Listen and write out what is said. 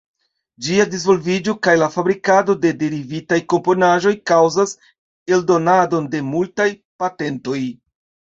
Ĝia disvolviĝo kaj la fabrikado de derivitaj komponaĵoj kaŭzas eldonadon de multaj patentoj.